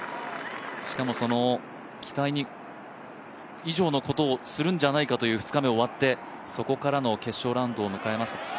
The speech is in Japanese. しかも期待以上のことをするんじゃないかという２日目を終わって、そこからの決勝ラウンドを迎えました。